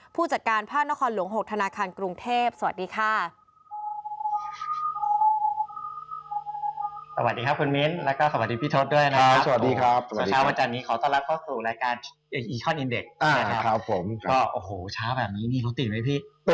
ผู้จัดการพาดนครหลวง๖ธนาคารกรุงเทพฯ